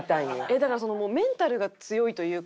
だからメンタルが強いというか。